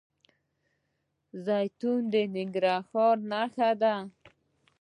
زیتون د ننګرهار نښه ده.